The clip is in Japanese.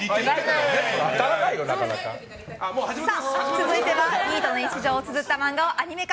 続いてはニートの日常をつづった漫画をアニメ化。